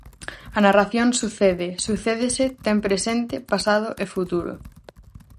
A narración sucede, sucédese, ten presente, pasado e futuro.